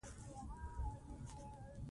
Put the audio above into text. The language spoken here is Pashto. افغانستان د کلي د ساتنې لپاره قوانین لري.